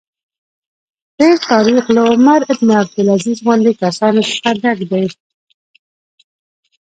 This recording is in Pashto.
تېر تاریخ له عمر بن عبدالعزیز غوندې کسانو څخه ډک دی.